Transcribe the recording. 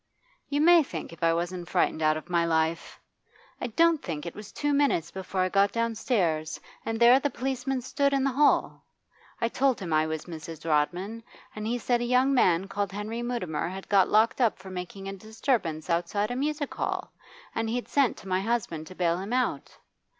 You may think if I wasn't frightened out of my life! I don't think it was two minutes before I got downstairs, and there the policeman stood in the hall. I told him I was Mrs. Rodman, and then he said a young man called Henry Mutimer had got locked up for making a disturbance outside a music hall, and he'd sent to my husband to bail him out.